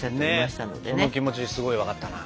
その気持ちすごい分かったな。